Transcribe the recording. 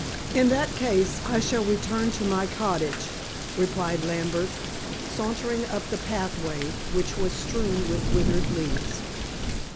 "In that case, I shall return to my cottage," replied Lambert, sauntering up the pathway, which was strewn with withered leaves.